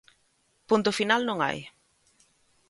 Punto final non hai.